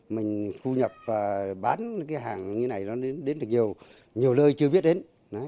mình khu nhập và bán cái hàng như này nó đến được nhiều nhiều lơi chưa biết đến